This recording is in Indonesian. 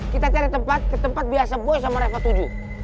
kita cari tempat tempat biasa boy sama reva tuju